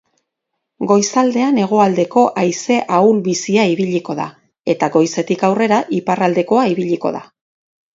Goizaldean hegoaldeko haize ahul-bizia ibiliko da eta goizetik aurrera iparraldekoa ibiliko da.